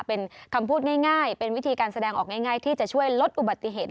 เป็นคำพูดง่ายเป็นวิธีการแสดงออกง่ายที่จะช่วยลดอุบัติเหตุ